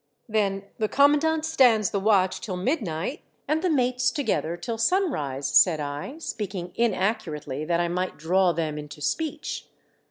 "Then the commandant stands the watch till midnight, and the mates together till sun rise," said I, speaking inaccurately that I might draw them into speech.